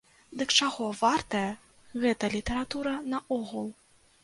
Дык чаго вартая гэта літаратура наогул?